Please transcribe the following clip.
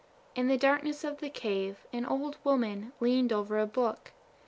In the darkness of the cave an old woman leaned over a book.